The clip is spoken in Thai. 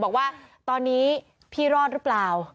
บอกว่าตอนนี้พี่รอดหรือเปล่า